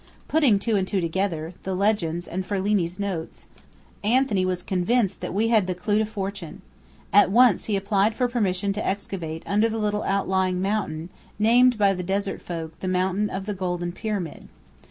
Putting two and two together the legends and Ferlini's notes Anthony was convinced that we had the clue to fortune. At once he applied for permission to excavate under the little outlying mountain named by the desert folk "the Mountain of the Golden Pyramid."